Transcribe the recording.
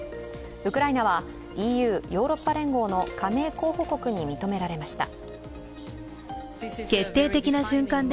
ウクライナはＥＵ＝ヨーロッパ連合の加盟候補国に認められました。